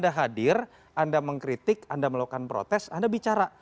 anda hadir anda mengkritik anda melakukan protes anda bicara